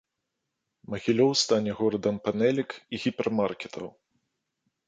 Магілёў стане горадам панэлек і гіпермаркетаў.